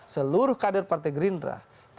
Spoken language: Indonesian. seluruh kader partai gerindra